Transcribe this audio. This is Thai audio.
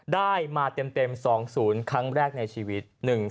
ได้มาเต็ม๒๐ครั้งแรกในชีวิต